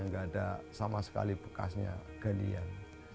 nggak ada sama sekali bekasnya galian